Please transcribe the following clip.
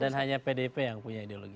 dan hanya pdip yang punya ideologi